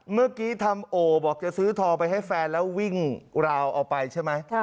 เมื่อกี้ทำโอบอกจะซื้อทองไปให้แฟนแล้ววิ่งราวเอาไปใช่ไหม